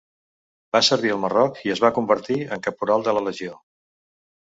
Va servir al Marroc i es va convertir en caporal de la legió.